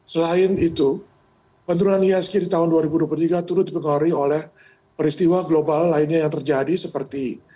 selain itu penurunan ihsg di tahun dua ribu dua puluh tiga turut dipengaruhi oleh peristiwa global lainnya yang terjadi seperti